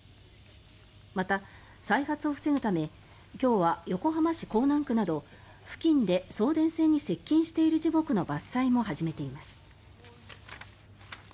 また再発を防ぐため今日は横浜市港南区など付近で送電線に接近している樹木の伐採も始めています。